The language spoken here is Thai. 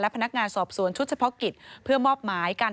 และพนักงานสอบสวนชุดเฉพาะกิจ